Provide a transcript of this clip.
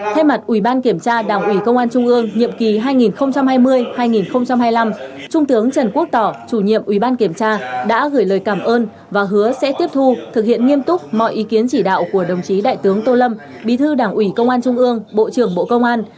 thay mặt ủy ban kiểm tra đảng ủy công an trung ương nhiệm kỳ hai nghìn hai mươi hai nghìn hai mươi năm trung tướng trần quốc tỏ chủ nhiệm ủy ban kiểm tra đã gửi lời cảm ơn và hứa sẽ tiếp thu thực hiện nghiêm túc mọi ý kiến chỉ đạo của đồng chí đại tướng tô lâm bí thư đảng ủy công an trung ương bộ trưởng bộ công an